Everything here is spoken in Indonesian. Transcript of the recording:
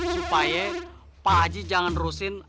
supaya paji jangan rusin